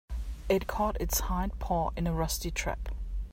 It caught its hind paw in a rusty trap.